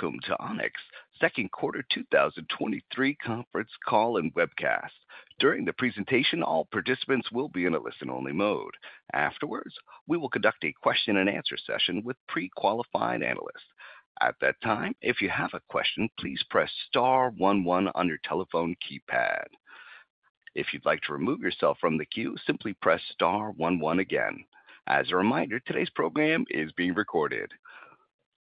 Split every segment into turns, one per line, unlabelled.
Welcome to Onex second quarter 2023 conference call and webcast. During the presentation, all participants will be in a listen-only mode. Afterwards, we will conduct a question-and-answer session with pre-qualifying analysts. At that time, if you have a question, please press star one one on your telephone keypad. If you'd like to remove yourself from the queue, simply press star one one again. As a reminder, today's program is being recorded.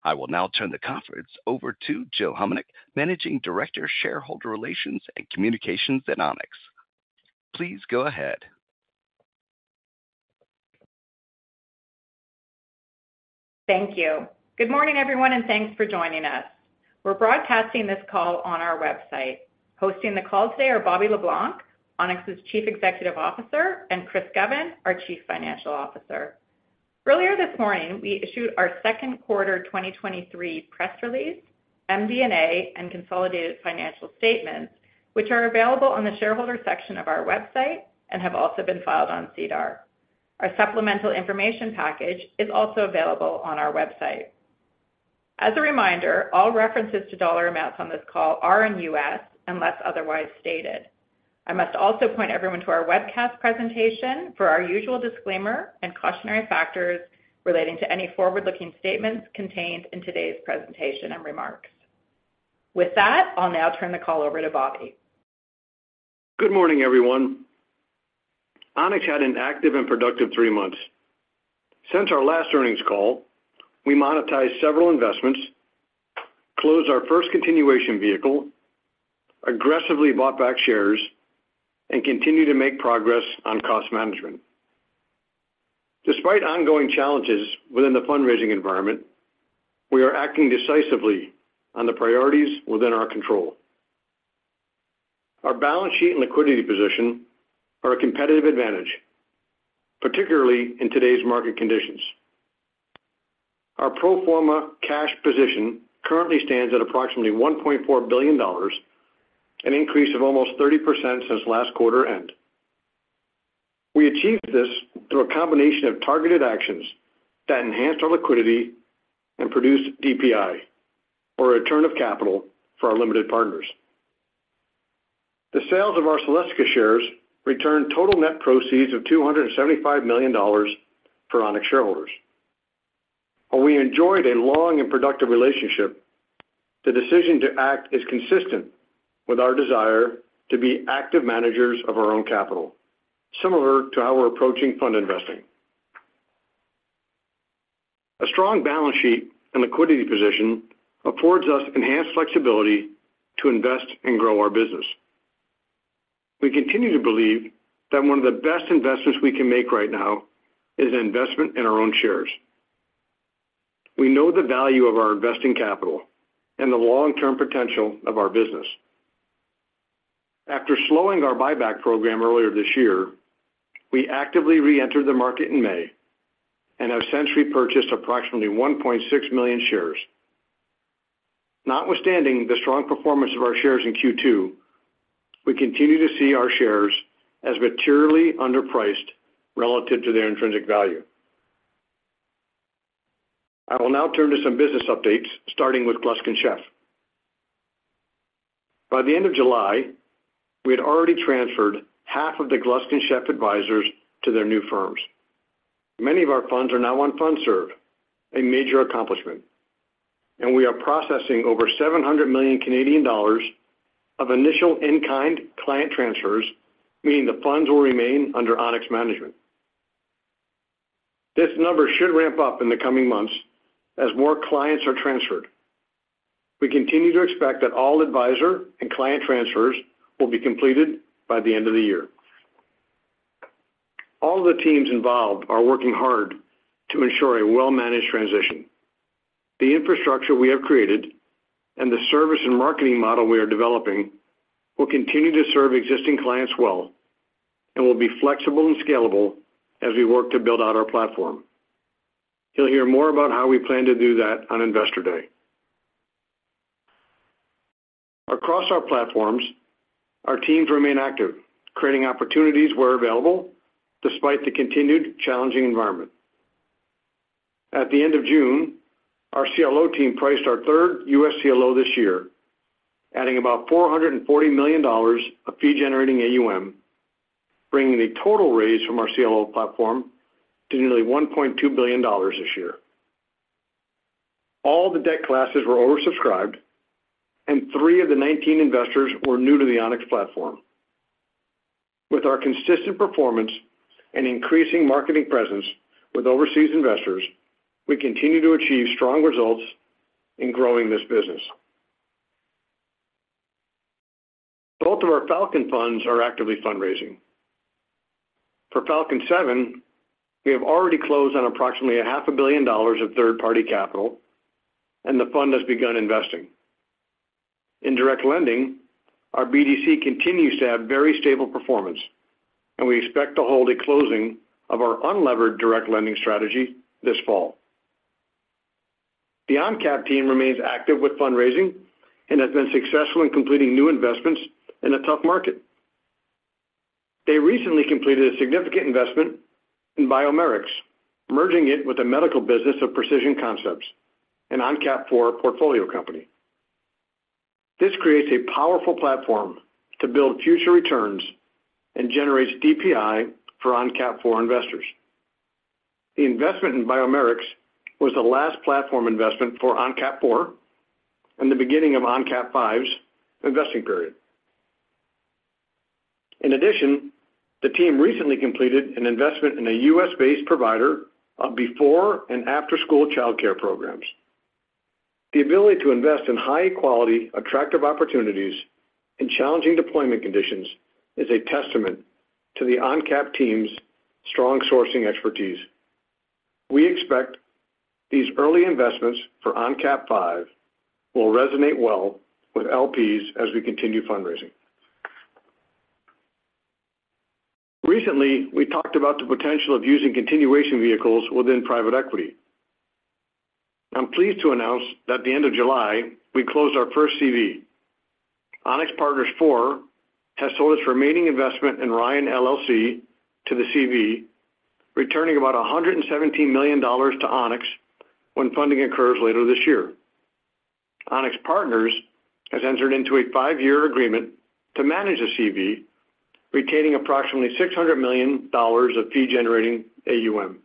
I will now turn the conference over to Jill Homenuk, Managing Director, Shareholder Relations and Communications at Onex. Please go ahead.
Thank you. Good morning, everyone, and thanks for joining us. We're broadcasting this call on our website. Hosting the call today are Bobby Le Blanc, Onex's Chief Executive Officer, and Chris Govan, our Chief Financial Officer. Earlier this morning, we issued our second quarter 2023 press release, MD&A, and consolidated financial statements, which are available on the shareholder section of our website and have also been filed on SEDAR. Our supplemental information package is also available on our website. As a reminder, all references to dollar amounts on this call are in U.S., unless otherwise stated. I must also point everyone to our webcast presentation for our usual disclaimer and cautionary factors relating to any forward-looking statements contained in today's presentation and remarks. With that, I'll now turn the call over to Bobby.
Good morning, everyone. Onex had an active and productive three months. Since our last earnings call, we monetized several investments, closed our first continuation vehicle, aggressively bought back shares, and continued to make progress on cost management. Despite ongoing challenges within the fundraising environment, we are acting decisively on the priorities within our control. Our balance sheet and liquidity position are a competitive advantage, particularly in today's market conditions. Our pro forma cash position currently stands at approximately $1.4 billion, an increase of almost 30% since last quarter end. We achieved this through a combination of targeted actions that enhanced our liquidity and produced DPI, or a return of capital for our limited partners. The sales of our Celestica shares returned total net proceeds of $275 million for Onex shareholders. While we enjoyed a long and productive relationship, the decision to act is consistent with our desire to be active managers of our own capital, similar to how we're approaching fund investing. A strong balance sheet and liquidity position affords us enhanced flexibility to invest and grow our business. We continue to believe that one of the best investments we can make right now is an investment in our own shares. We know the value of our investing capital and the long-term potential of our business. After slowing our buyback program earlier this year, we actively reentered the market in May and have since repurchased approximately 1.6 million shares. Notwithstanding the strong performance of our shares in Q2, we continue to see our shares as materially underpriced relative to their intrinsic value. I will now turn to some business updates, starting with Gluskin Sheff. By the end of July, we had already transferred half of the Gluskin Sheff advisors to their new firms. Many of our funds are now on Fundserv, a major accomplishment, and we are processing over 700 million Canadian dollars of initial in-kind client transfers, meaning the funds will remain under Onex management. This number should ramp up in the coming months as more clients are transferred. We continue to expect that all advisor and client transfers will be completed by the end of the year. All the teams involved are working hard to ensure a well-managed transition. The infrastructure we have created and the service and marketing model we are developing will continue to serve existing clients well and will be flexible and scalable as we work to build out our platform. You'll hear more about how we plan to do that on Investor Day. Across our platforms, our teams remain active, creating opportunities where available, despite the continued challenging environment. At the end of June, our CLO team priced our third USCLO this year, adding about $440 million of fee-generating AUM, bringing the total raise from our CLO platform to nearly $1.2 billion this year. All the debt classes were oversubscribed. Three of the 19 investors were new to the Onex platform. With our consistent performance and increasing marketing presence with overseas investors, we continue to achieve strong results in growing this business. Both of our Falcon funds are actively fundraising. For Falcon Fund VII, we have already closed on approximately $500 million of third-party capital. The fund has begun investing. In direct lending, our BDC continues to have very stable performance, and we expect to hold a closing of our unlevered direct lending strategy this fall. The ONCAP team remains active with fundraising and has been successful in completing new investments in a tough market. They recently completed a significant investment in Biomerics, merging it with the medical business of Precision Concepts, an ONCAP IV portfolio company. This creates a powerful platform to build future returns and generates DPI for ONCAP IV investors. The investment in Biomerics was the last platform investment for ONCAP IV and the beginning of ONCAP V's investing period. In addition, the team recently completed an investment in a US-based provider of before and after-school childcare programs. The ability to invest in high-quality, attractive opportunities in challenging deployment conditions is a testament to the ONCAP team's strong sourcing expertise. We expect these early investments for ONCAP V will resonate well with LPs as we continue fundraising. Recently, we talked about the potential of using continuation vehicles within private equity. I'm pleased to announce that at the end of July, we closed our first CV. Onex Partners IV has sold its remaining investment in Ryan, LLC to the CV, returning about $117 million to Onex when funding occurs later this year. Onex Partners has entered into a five-year agreement to manage the CV, retaining approximately $600 million of fee-generating AUM.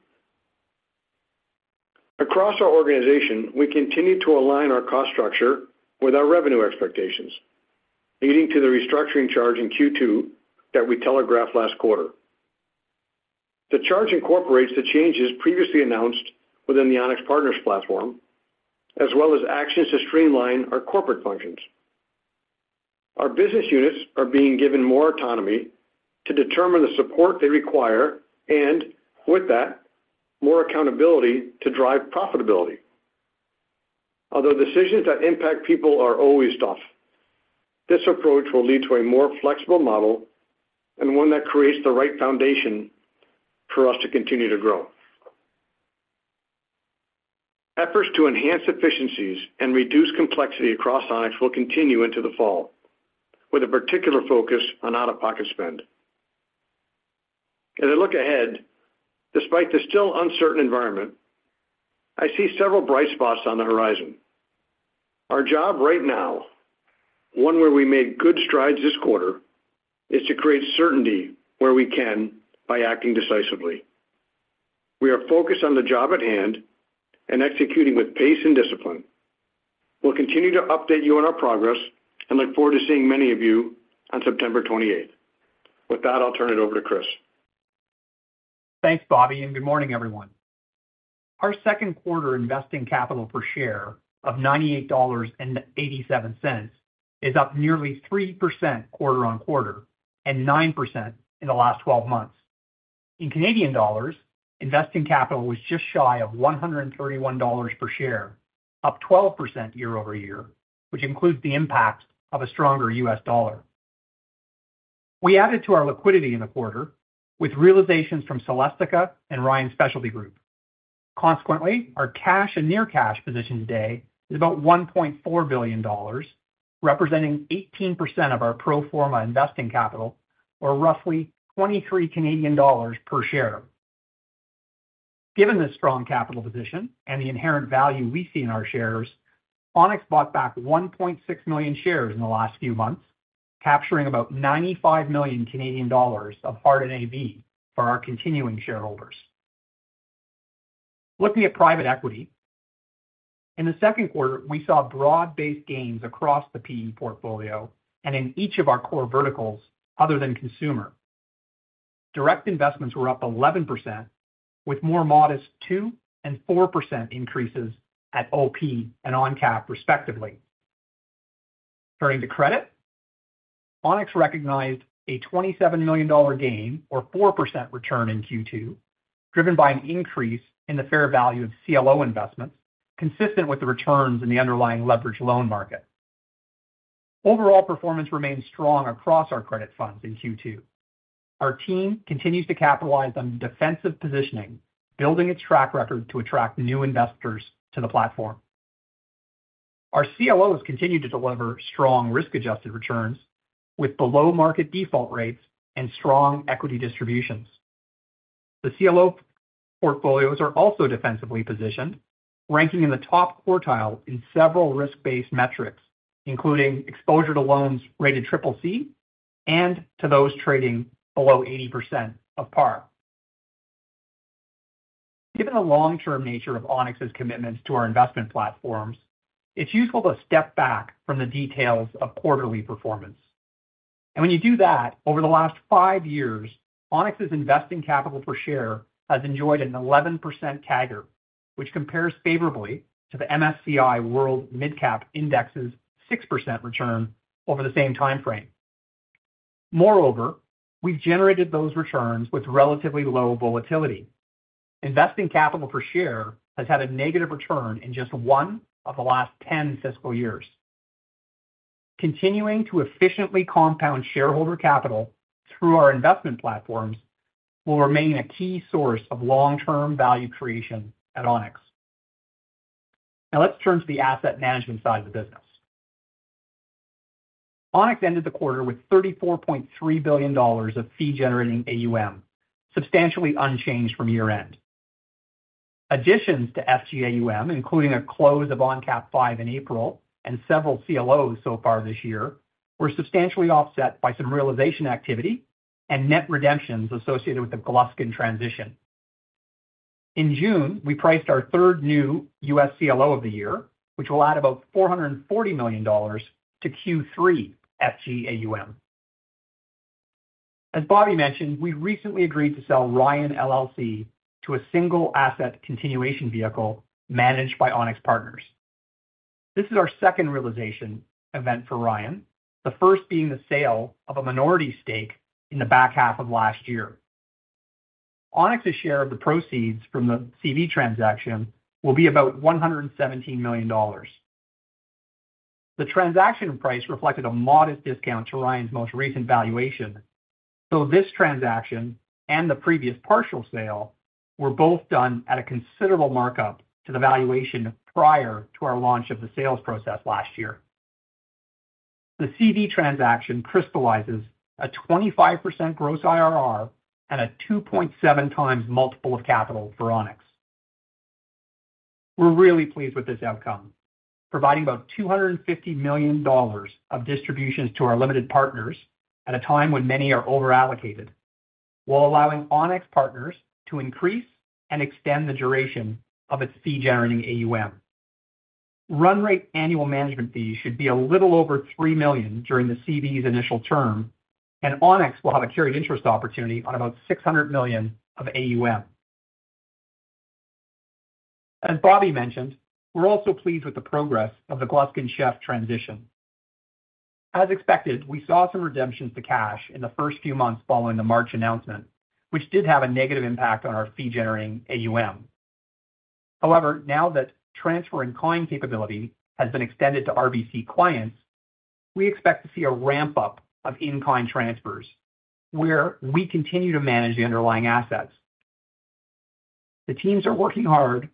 Across our organization, we continue to align our cost structure with our revenue expectations, leading to the restructuring charge in Q2 that we telegraphed last quarter. The charge incorporates the changes previously announced within the Onex Partners platform, as well as actions to streamline our corporate functions. Our business units are being given more autonomy to determine the support they require and, with that, more accountability to drive profitability. Although decisions that impact people are always tough, this approach will lead to a more flexible model and one that creates the right foundation for us to continue to grow. Efforts to enhance efficiencies and reduce complexity across Onex will continue into the fall, with a particular focus on out-of-pocket spend. As I look ahead, despite the still uncertain environment, I see several bright spots on the horizon. Our job right now, one where we made good strides this quarter, is to create certainty where we can by acting decisively. We are focused on the job at hand and executing with pace and discipline. We'll continue to update you on our progress and look forward to seeing many of you on September 28th. With that, I'll turn it over to Chris.
Thanks, Bobby, and good morning, everyone. Our second quarter investing capital per share of $98.87 is up nearly 3% quarter-on-quarter and 9% in the last 12 months. In Canadian dollars, investing capital was just shy of 131 dollars per share, up 12% year-over-year, which includes the impact of a stronger US dollar. We added to our liquidity in the quarter with realizations from Celestica and Ryan Specialty Group. Consequently, our cash and near-cash position today is about $1.4 billion, representing 18% of our pro forma investing capital, or roughly 23 Canadian dollars per share. Given this strong capital position and the inherent value we see in our shares, Onex bought back 1.6 million shares in the last few months, capturing about 95 million Canadian dollars of hard NAV for our continuing shareholders. Looking at private equity, in the second quarter, we saw broad-based gains across the PE portfolio and in each of our core verticals other than consumer. Direct investments were up 11%, with more modest 2% and 4% increases at OP and ONCAP, respectively. Turning to credit, Onex recognized a 27 million dollar gain, or 4% return in Q2, driven by an increase in the fair value of CLO investments, consistent with the returns in the underlying leveraged loan market. Overall, performance remains strong across our credit funds in Q2. Our team continues to capitalize on defensive positioning, building its track record to attract new investors to the platform. Our CLOs continue to deliver strong risk-adjusted returns with below-market default rates and strong equity distributions. The CLO portfolios are also defensively positioned, ranking in the top quartile in several risk-based metrics, including exposure to loans rated CCC and to those trading below 80% of par. Given the long-term nature of Onex's commitments to our investment platforms, it's useful to step back from the details of quarterly performance. When you do that, over the last five years, Onex's investing capital per share has enjoyed an 11% CAGR, which compares favorably to the MSCI World Mid Cap Index's 6% return over the same time frame. Moreover, we've generated those returns with relatively low volatility. Investing capital per share has had a negative return in just one of the last 10 fiscal years. Continuing to efficiently compound shareholder capital through our investment platforms will remain a key source of long-term value creation at Onex. Let's turn to the asset management side of the business. Onex ended the quarter with $34.3 billion of fee-generating AUM, substantially unchanged from year-end. Additions to FGAUM, including a close of ONCAP V in April and several CLOs so far this year, were substantially offset by some realization activity and net redemptions associated with the Gluskin transition. In June, we priced our third new USCLO of the year, which will add about $440 million to Q3 FGAUM. As Bobby mentioned, we recently agreed to sell Ryan, LLC to a single asset continuation vehicle managed by Onex Partners. This is our second realization event for Ryan, the first being the sale of a minority stake in the back half of last year. Onex's share of the proceeds from the CV transaction will be about $117 million. The transaction price reflected a modest discount to Ryan's most recent valuation, so this transaction and the previous partial sale were both done at a considerable markup to the valuation prior to our launch of the sales process last year. The CV transaction crystallizes a 25% gross IRR and a 2.7x multiple of capital for Onex. We're really pleased with this outcome, providing about $250 million of distributions to our LPs at a time when many are over-allocated, while allowing Onex Partners to increase and extend the duration of its fee-generating AUM. Run rate annual management fees should be a little over $3 million during the CV's initial term, and Onex will have a carried interest opportunity on about $600 million of AUM. As Bobby mentioned, we're also pleased with the progress of the Gluskin Sheff transition. As expected, we saw some redemptions to cash in the first few months following the March announcement, which did have a negative impact on our fee-generating AUM. Now that transfer and client capability has been extended to RBC clients, we expect to see a ramp-up of in-client transfers, where we continue to manage the underlying assets. The teams are working hard,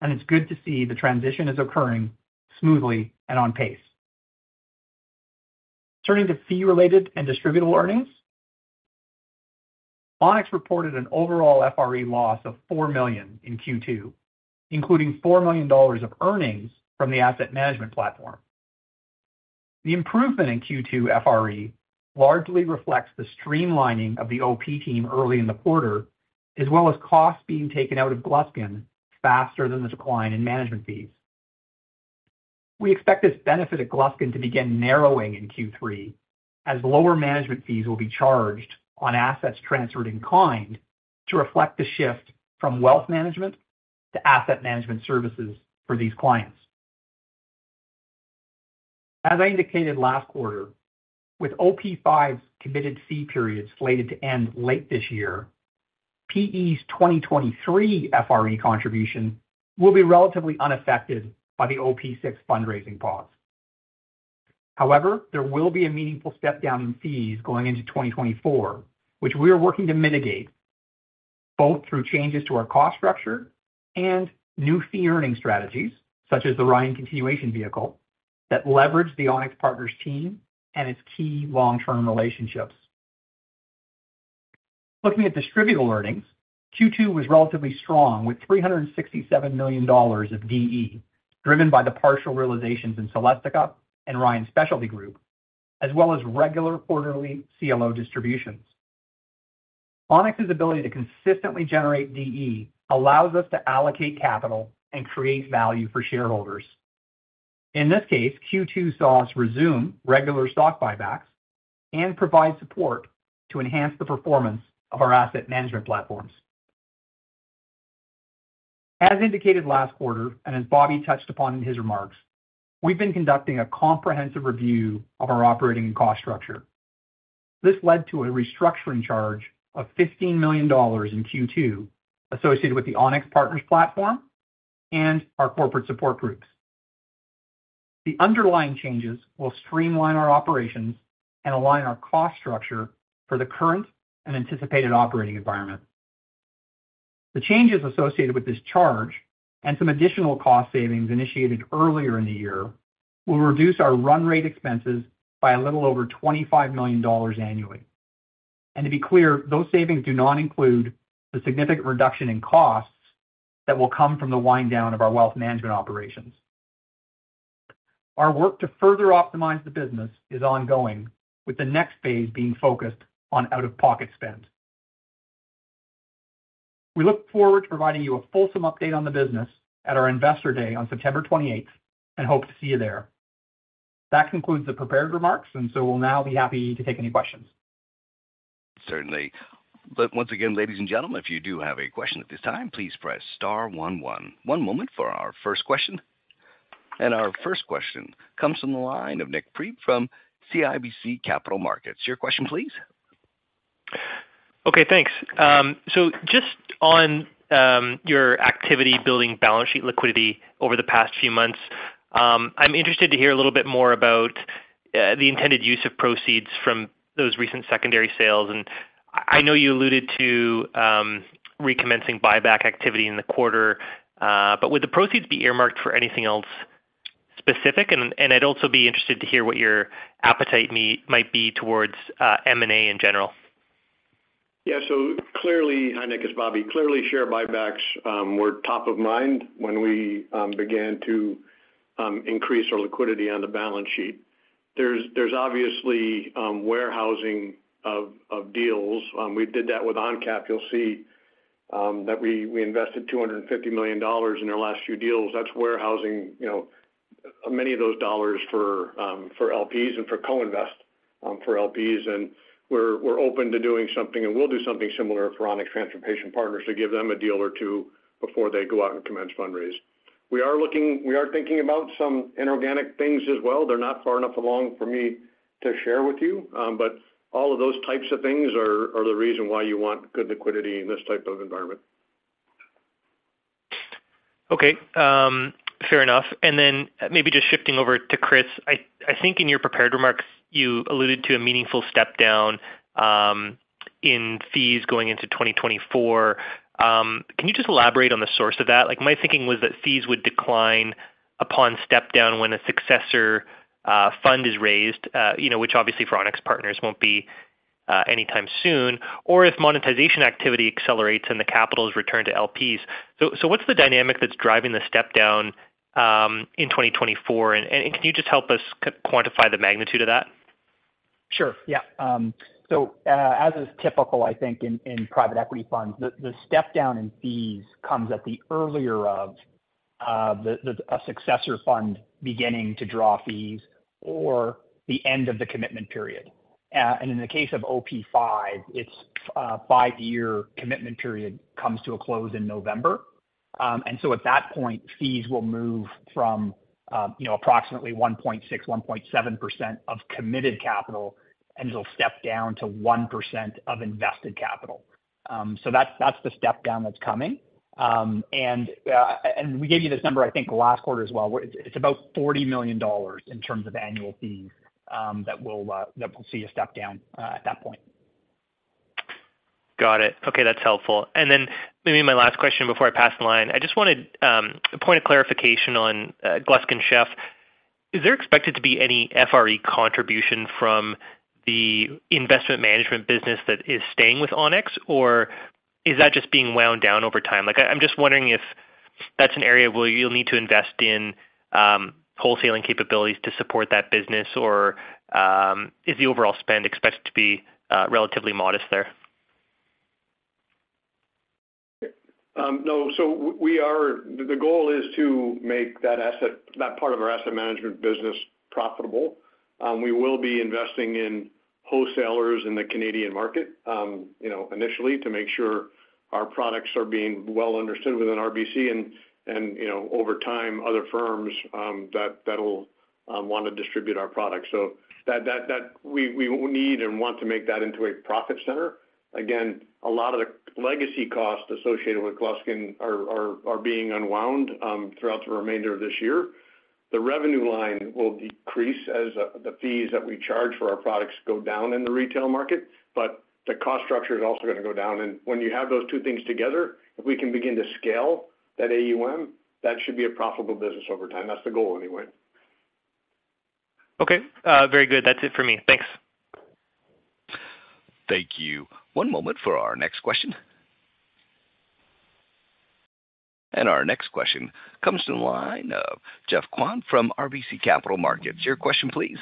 and it's good to see the transition is occurring smoothly and on pace. Turning to fee-related and distributable earnings. Onex reported an overall FRE loss of $4 million in Q2, including $4 million of earnings from the asset management platform. The improvement in Q2 FRE largely reflects the streamlining of the OP team early in the quarter, as well as costs being taken out of Gluskin faster than the decline in management fees. We expect this benefit at Gluskin to begin narrowing in Q3 as lower management fees will be charged on assets transferred in kind to reflect the shift from wealth management to asset management services for these clients. As I indicated last quarter, with OP V's committed fee period slated to end late this year, PE's 2023 FRE contribution will be relatively unaffected by the OP VI fundraising pause. However, there will be a meaningful step down in fees going into 2024, which we are working to mitigate, both through changes to our cost structure and new fee earning strategies, such as the Ryan continuation vehicle, that leverage the Onex Partners team and its key long-term relationships. Looking at distributable earnings, Q2 was relatively strong, with $367 million of DE, driven by the partial realizations in Celestica and Ryan Specialty Group, as well as regular quarterly CLO distributions. Onex's ability to consistently generate DE allows us to allocate capital and create value for shareholders. In this case, Q2 saw us resume regular stock buybacks and provide support to enhance the performance of our asset management platforms. As indicated last quarter, and as Bobby touched upon in his remarks, we've been conducting a comprehensive review of our operating and cost structure. This led to a restructuring charge of $15 million in Q2, associated with the Onex Partners platform and our corporate support groups. The underlying changes will streamline our operations and align our cost structure for the current and anticipated operating environment. The changes associated with this charge and some additional cost savings initiated earlier in the year will reduce our run rate expenses by a little over $25 million annually. To be clear, those savings do not include the significant reduction in costs that will come from the wind down of our wealth management operations. Our work to further optimize the business is ongoing, with the next phase being focused on out-of-pocket spend. We look forward to providing you a fulsome update on the business at our Investor Day on September 28th and hope to see you there. That concludes the prepared remarks, and so we'll now be happy to take any questions.
Certainly. Once again, ladies and gentlemen, if you do have a question at this time, please press star one one. One moment for our first question. Our first question comes from the line of Nik Priebe from CIBC Capital Markets. Your question, please?
Okay, thanks. Just on your activity building balance sheet liquidity over the past few months. I'm interested to hear a little bit more about the intended use of proceeds from those recent secondary sales. I know you alluded to recommencing buyback activity in the quarter, but would the proceeds be earmarked for anything else specific? I'd also be interested to hear what your appetite might be towards M&A in general.
Yeah, clearly, hi, Nic, it's Bobby. Clearly, share buybacks were top of mind when we began to increase our liquidity on the balance sheet. There's obviously warehousing of deals. We did that with ONCAP. You'll see that we invested $250 million in their last few deals. That's warehousing, you know, many of those dollars for LPs and for co-invest for LPs. We're open to doing something, and we'll do something similar for Onex Transportation Partners to give them a deal or two before they go out and commence fundraise. We are thinking about some inorganic things as well. They're not far enough along for me to share with you. All of those types of things are, are the reason why you want good liquidity in this type of environment.
Okay, fair enough. Then maybe just shifting over to Chris. I, I think in your prepared remarks, you alluded to a meaningful step down in fees going into 2024. Can you just elaborate on the source of that? Like, my thinking was that fees would decline upon step down when a successor fund is raised, you know, which obviously for Onex Partners won't be anytime soon, or if monetization activity accelerates and the capital is returned to LPs. So what's the dynamic that's driving the step down in 2024? Can you just help us quantify the magnitude of that?
Sure, yeah. As is typical, I think, in private equity funds, the, the step down in fees comes at the earlier of the, the, a successor fund beginning to draw fees or the end of the commitment period. And in the case of OP Five, its five-year commitment period comes to a close in November. At that point, fees will move from, you know, approximately 1.6%-1.7% of committed capital, and it'll step down to 1% of invested capital. That's, that's the step down that's coming. We gave you this number, I think, last quarter as well. It's about $40 million in terms of annual fees that will see a step down at that point.
Got it. Okay, that's helpful. Then maybe my last question before I pass the line, I just wanted a point of clarification on Gluskin Sheff. Is there expected to be any FRE contribution from the investment management business that is staying with Onex, or is that just being wound down over time? Like, I'm just wondering if that's an area where you'll need to invest in wholesaling capabilities to support that business, or is the overall spend expected to be relatively modest there?
No. The goal is to make that asset, that part of our asset management business profitable. We will be investing in wholesalers in the Canadian market, you know, initially to make sure our products are being well understood within RBC and, you know, over time, other firms that will want to distribute our products. That we need and want to make that into a profit center. Again, a lot of the legacy costs associated with Gluskin are being unwound throughout the remainder of this year. The revenue line will decrease as the fees that we charge for our products go down in the retail market, the cost structure is also going to go down. When you have those two things together, if we can begin to scale that AUM, that should be a profitable business over time. That's the goal anyway.
Okay, very good. That's it for me. Thanks.
Thank you. One moment for our next question. Our next question comes to the line of Geoff Kwan from RBC Capital Markets. Your question, please.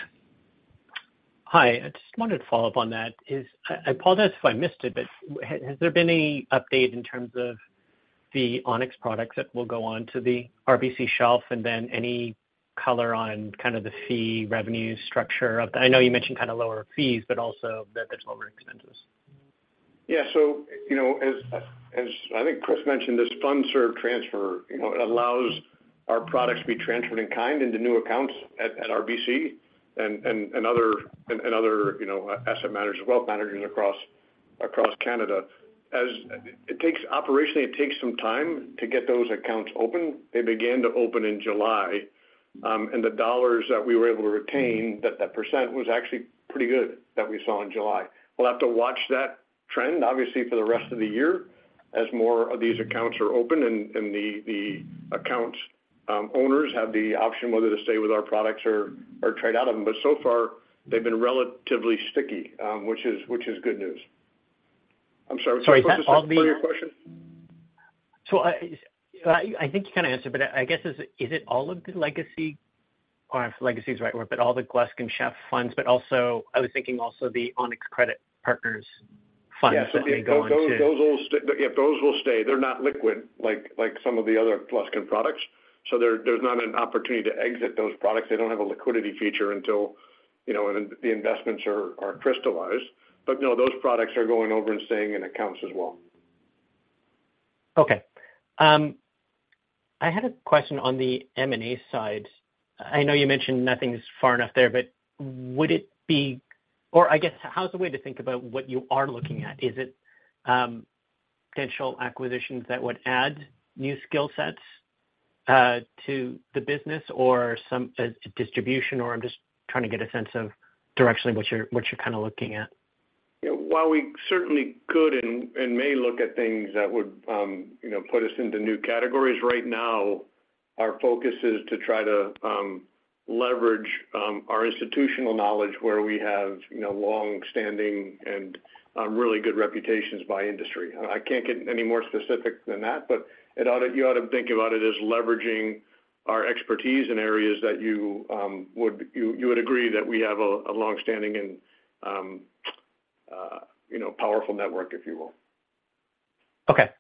Hi, I just wanted to follow up on that. I apologize if I missed it, but has there been any update in terms of the Onex products that will go on to the RBC shelf? Then any color on kind of the fee revenue structure of that? I know you mentioned kind of lower fees, but also that there's lower expenses.
You know, as, as I think Chris mentioned, this Fundserv transfer, you know, allows our products to be transferred in kind into new accounts at, at RBC and other, you know, asset managers, wealth managers across, across Canada. It takes, operationally, it takes some time to get those accounts open. They began to open in July, the U.S. dollars that we were able to retain, that, that % was actually pretty good that we saw in July. We'll have to watch that trend, obviously, for the rest of the year as more of these accounts are open and the account owners have the option whether to stay with our products or trade out of them. So far, they've been relatively sticky, which is, which is good news. I'm sorry, was there a second part of your question?
I think you kind of answered, but I guess is, is it all of the legacy, or if legacy is the right word, but all the Gluskin Sheff funds, but also I was thinking also the Onex Credit Partners.
Yeah, those, those will stay. They're not liquid, like some of the other Gluskin products, so there, there's not an opportunity to exit those products. They don't have a liquidity feature until, you know, the investments are crystallized. No, those products are going over and staying in accounts as well.
Okay. I had a question on the M&A side. I know you mentioned nothing's far enough there, but would it be, or I guess, how's the way to think about what you are looking at? Is it? potential acquisitions that would add new skill sets, to the business or some, to distribution, or I'm just trying to get a sense of directionally, what you're kind of looking at?
Yeah. While we certainly could and, and may look at things that would, you know, put us into new categories, right now, our focus is to try to leverage our institutional knowledge where we have, you know, long-standing and really good reputations by industry. I can't get any more specific than that, but you ought to think about it as leveraging our expertise in areas that you would agree that we have a, a long-standing and, you know, powerful network, if you will.
Okay.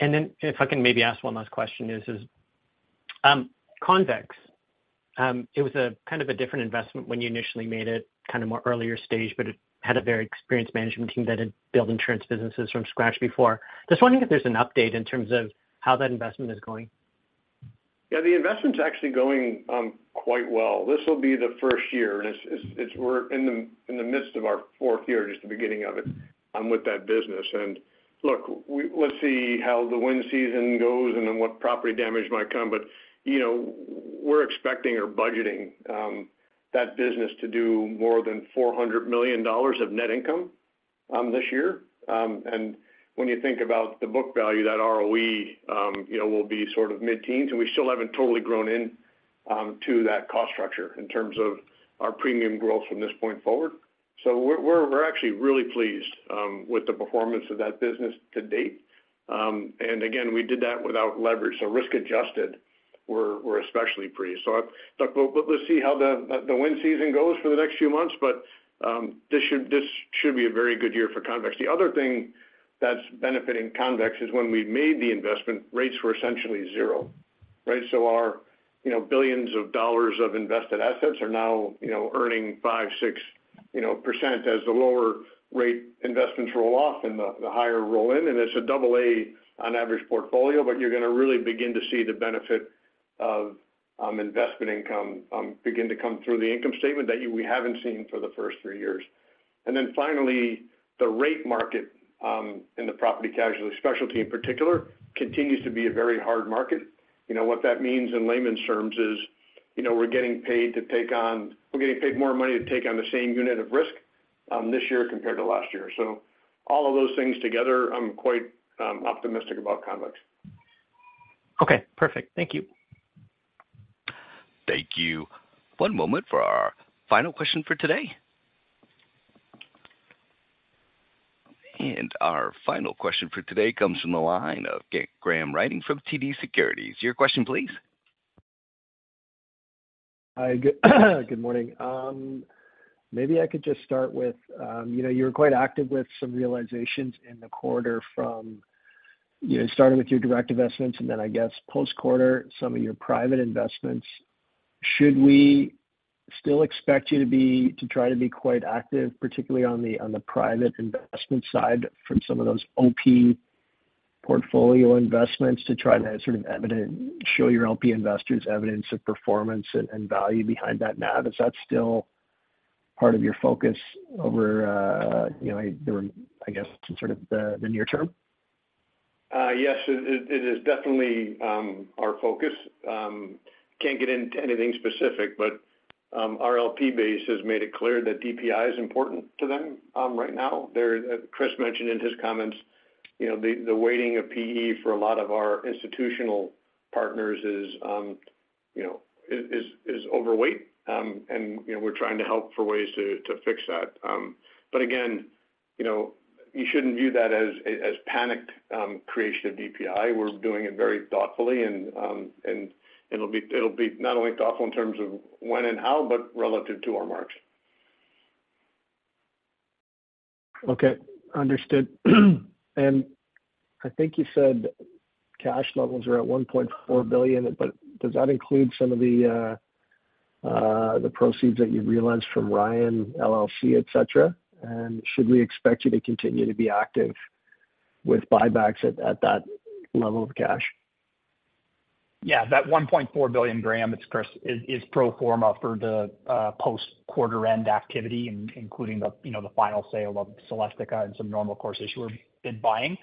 If I can maybe ask one last question, is, Convex. It was a kind of a different investment when you initially made it, kind of more earlier stage, but it had a very experienced management team that had built insurance businesses from scratch before. Just wondering if there's an update in terms of how that investment is going?
Yeah, the investment's actually going quite well. This will be the first year, and it's, it's, we're in the, in the midst of our fourth year, just the beginning of it, with that business. Look, we- let's see how the wind season goes and then what property damage might come. You know, we're expecting or budgeting that business to do more than $400 million of net income this year. When you think about the book value, that ROE, you know, will be sort of mid-teens, and we still haven't totally grown in to that cost structure in terms of our premium growth from this point forward. We're, we're actually really pleased with the performance of that business to date. Again, we did that without leverage, so risk adjusted, we're, we're especially pleased. Look, but let's see how the wind season goes for the next few months. This should be a very good year for Convex. The other thing that's benefiting Convex is when we made the investment, rates were essentially zero, right? Our, you know, billions of dollarsof invested assets are now, you know, earning 5%, 6%, you know, as the lower rate investments roll off and the higher roll in, and it's a double A on average portfolio. You're gonna really begin to see the benefit of investment income begin to come through the income statement that we haven't seen for the first three years. Then finally, the rate market in the property casualty specialty in particular, continues to be a very hard market. You know, what that means in layman's terms is, you know, we're getting paid more money to take on the same unit of risk, this year compared to last year. All of those things together, I'm quite optimistic about Convex.
Okay, perfect. Thank you.
Thank you. One moment for our final question for today. Our final question for today comes from the line of Graham Ryding from TD Securities. Your question, please.
Hi, good, good morning. Maybe I could just start with, you know, you were quite active with some realizations in the quarter from, you know, starting with your direct investments and then I guess, post-quarter, some of your private investments. Should we still expect you to try to be quite active, particularly on the, on the private investment side, from some of those OP portfolio investments, to try to sort of show your LP investors evidence of performance and, and value behind that NAV? Is that still part of your focus over, you know, the, I guess, in sort of the, the near term?
Yes, it, it is definitely our focus. Can't get into anything specific, but our LP base has made it clear that DPI is important to them right now. Chris mentioned in his comments, you know, the, the weighting of PE for a lot of our institutional partners is, you know, is, is overweight. You know, we're trying to help for ways to, to fix that. Again, you know, you shouldn't view that as, as panicked creation of DPI. We're doing it very thoughtfully, and it'll be, it'll be not only thoughtful in terms of when and how, but relative to our marks.
Okay, understood. I think you said cash levels are at $1.4 billion, but does that include some of the proceeds that you've realized from Ryan, LLC, et cetera? Should we expect you to continue to be active with buybacks at that level of cash?
Yeah, that $1.4 billion, Graham, it's Chris, is pro forma for the post-quarter-end activity, including the, you know, the final sale of Celestica and some normal courses we've been buying.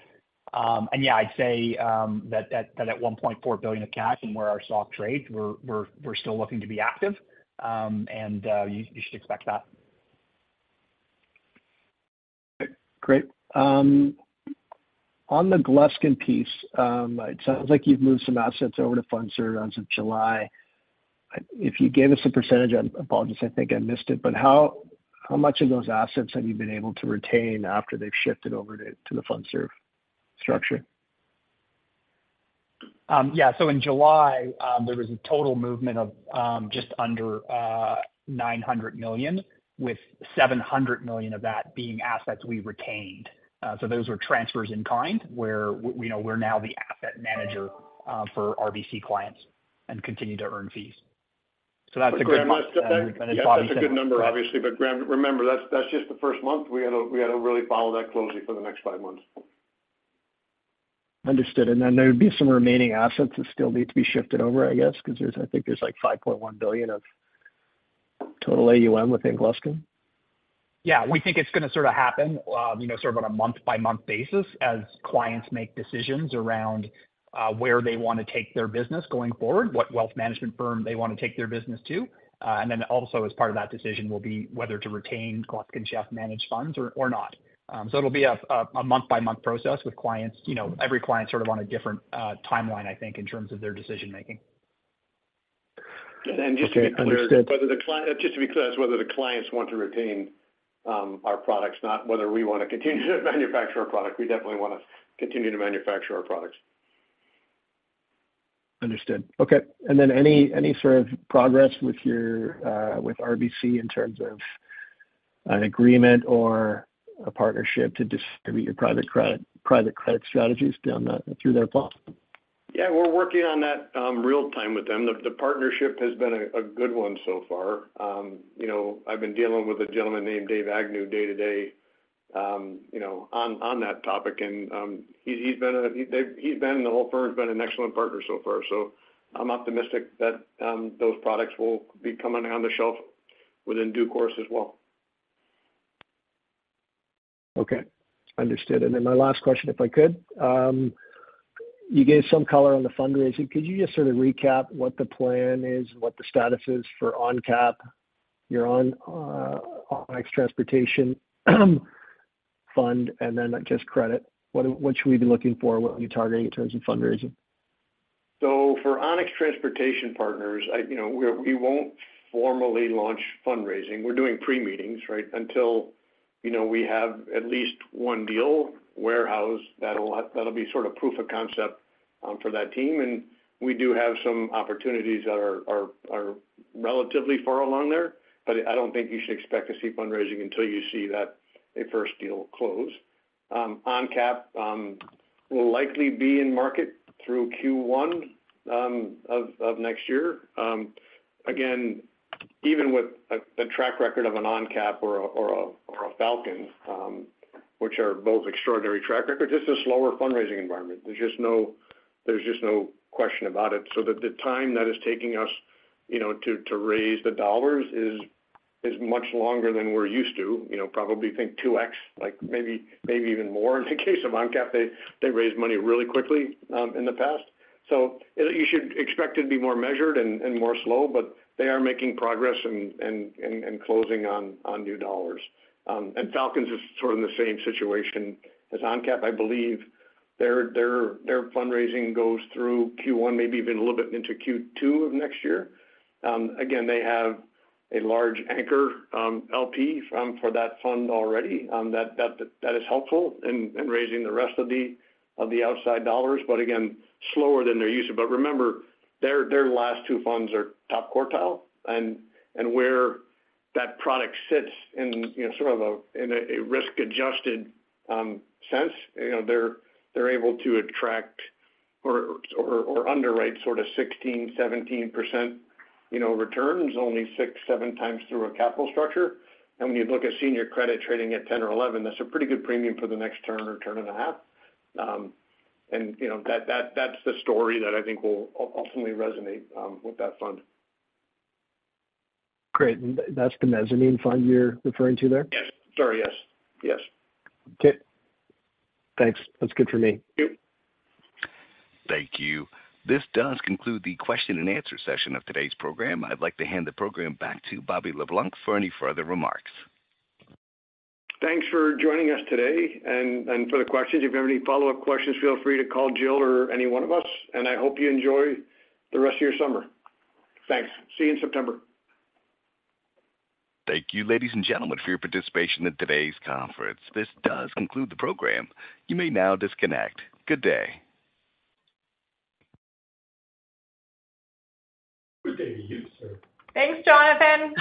Yeah, I'd say that at $1.4 billion of cash and where our stock trades, we're, we're still looking to be active, and you should expect that.
Great. On the Gluskin piece, it sounds like you've moved some assets over to Fundserv as of July. If you gave us a percentage, I apologize, I think I missed it, but how, how much of those assets have you been able to retain after they've shifted over to, to the Fundserv structure?
Yeah. In July, there was a total movement of just under $900 million, with $700 million of that being assets we retained. Those were transfers in kind, where we know we're now the asset manager, for RBC clients and continue to earn fees. That's a good-
Graham, that's a good number, obviously, but Graham, remember, that's, that's just the first month. We got to, we got to really follow that closely for the next five months.
Understood. Then there would be some remaining assets that still need to be shifted over, I guess, because there's I think there's, like, $5.1 billion total AUM within Gluskin?
We think it's going to sort of happen, you know, sort of on a month-by-month basis as clients make decisions around where they want to take their business going forward, what wealth management firm they want to take their business to. Then also as part of that decision will be whether to retain Gluskin Sheff managed funds or not. It'll be a month-by-month process with clients, you know, every client sort of on a different timeline, I think, in terms of their decision making.
Okay, understood.
Just to be clear, whether just to be clear, it's whether the clients want to retain our products, not whether we want to continue to manufacture our product. We definitely want to continue to manufacture our products.
Understood. Okay, then any, any sort of progress with your, with RBC in terms of an agreement or a partnership to distribute your private credit, private credit strategies down that, through their path?
Yeah, we're working on that, real time with them. The partnership has been a good one so far. You know, I've been dealing with a gentleman named Dave Agnew day-to-day, you know, on that topic, and the whole firm's been an excellent partner so far. I'm optimistic that those products will be coming on the shelf within due course as well.
Okay, understood. My last question, if I could. You gave some color on the fundraising. Could you just sort of recap what the plan is, what the status is for ONCAP, Onex Transportation fund, and then just credit? What, what should we be looking for? What are you targeting in terms of fundraising?
For Onex Transportation Partners, you know, we won't formally launch fundraising. We're doing pre-meetings, right, until, you know, we have at least one deal warehoused. That'll be sort of proof of concept for that team, and we do have some opportunities that are relatively far along there. I don't think you should expect to see fundraising until you see that, a first deal close. ONCAP will likely be in market through Q1 of next year. Again, even with a track record of an ONCAP or a Falcon, which are both extraordinary track records, it's a slower fundraising environment. There's just no question about it. The time that is taking us, you know, to raise the dollars is much longer than we're used to. You know, probably think 2x, like maybe, maybe even more in the case of ONCAP. They, they raised money really quickly in the past. You should expect it to be more measured and, and more slow, but they are making progress and, and, and, and closing on, on new dollars. Falcons is sort of in the same situation as ONCAP. I believe their, their, their fundraising goes through Q1, maybe even a little bit into Q2 of next year. Again, they have a large anchor LP for that fund already, that, that, that is helpful in, in raising the rest of the, of the outside dollars, but again, slower than they're used to. Remember, their, their last two funds are top quartile, and, and where that product sits in, you know, sort of a, in a, a risk-adjusted sense, you know, they're, they're able to attract or, or, or underwrite sort of 16%-17%, you know, returns only 6x, 7x through a capital structure. And when you look at senior credit trading at 10 or 11, that's a pretty good premium for the next turn or turn and a half. And, you know, that, that, that's the story that I think will ultimately resonate with that fund.
Great. That's the mezzanine fund you're referring to there?
Yes. Sorry. Yes. Yes.
Okay. Thanks. That's good for me.
Thank you.
Thank you. This does conclude the question-and-answer session of today's program. I'd like to hand the program back to Bobby Le Blanc for any further remarks.
Thanks for joining us today for the questions. If you have any follow-up questions, feel free to call Jill or any one of us. I hope you enjoy the rest of your summer. Thanks. See you in September.
Thank you, ladies and gentlemen, for your participation in today's conference. This does conclude the program. You may now disconnect. Good day.
Thanks, Jonathan.